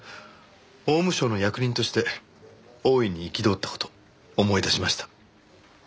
法務省の役人として大いに憤った事思い出しました。